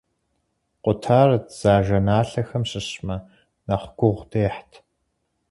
Къутар дзажэналъэхэм щыщмэ, нэхъ гугъу дехьт.